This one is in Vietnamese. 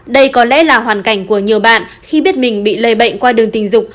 đây có lẽ là hoàn cảnh của nhiều bạn khi biết mình bị lây bệnh qua đường tình dục